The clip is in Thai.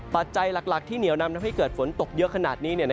ปัจจัยหลักที่เหนียวนำทำให้เกิดฝนตกเยอะขนาดนี้